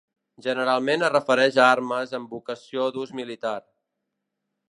Generalment es refereix a armes amb vocació d'ús militar.